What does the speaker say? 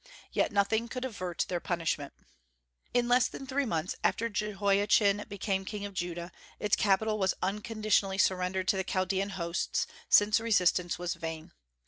Yet nothing could avert their punishment. In less than three months after Jehoiachin became king of Judah, its capital was unconditionally surrendered to the Chaldean hosts, since resistance was vain.